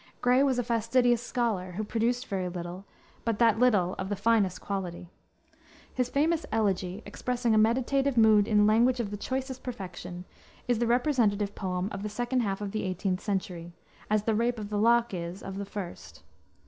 Gray was a fastidious scholar, who produced very little, but that little of the finest quality. His famous Elegy, expressing a meditative mood in language of the choicest perfection, is the representative poem of the second half of the 18th century, as the Rape of the Lock is of the first.